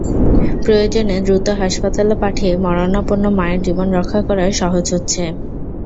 প্রয়োজনে দ্রুত হাসপাতালে পাঠিয়ে মরণাপন্ন মায়ের জীবন রক্ষা করা সহজ হচ্ছে।